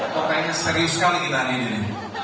pokoknya serius sekali kita hari ini